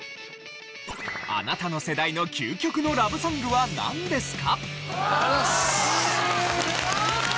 あなたの世代の究極のラブソングはなんですか？